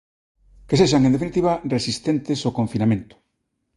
Que sexan, en definitiva, resistentes ao confinamento.